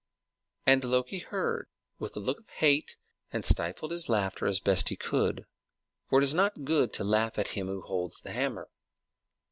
And Loki heard, with a look of hate, and stifled his laughter as best he could; for it is not good to laugh at him who holds the hammer.